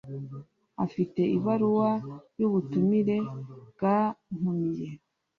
Afite ibaruwa y’ubutumire bwantumiye